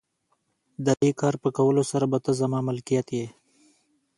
د دې کار په کولو سره به ته زما ملکیت یې.